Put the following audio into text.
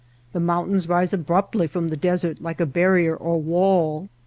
The mountains rise abruptly from the desert like a barrier or wall.